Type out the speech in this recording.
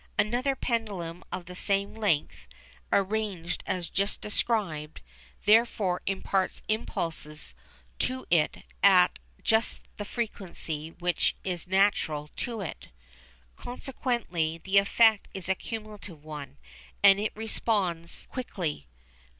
Another pendulum of the same length, arranged as just described, therefore imparts impulses to it at just the frequency which is natural to it. Consequently the effect is a cumulative one, and it responds quickly.